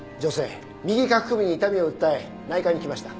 右下腹部に痛みを訴え内科に来ました。